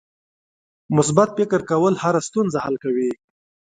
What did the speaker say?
مثبت فکر کول هره ستونزه حل کوي.